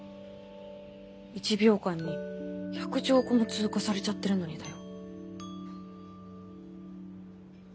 １秒間に１００兆個も通過されちゃってるのにだよ。